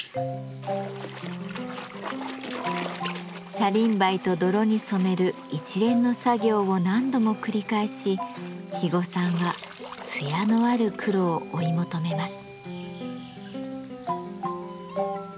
車輪梅と泥に染める一連の作業を何度も繰り返し肥後さんは艶のある黒を追い求めます。